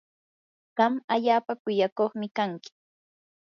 qam allaapa kuyakuqmi kanki.